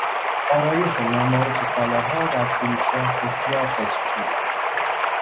آرایش و نمایش کالاها در فروشگاه بسیار چشمگیر بود.